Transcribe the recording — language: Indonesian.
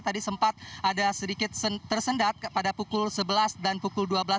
tadi sempat ada sedikit tersendat pada pukul sebelas dan pukul dua belas